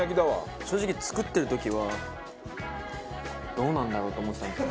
正直作ってる時はどうなんだろう？と思ってたんですけど。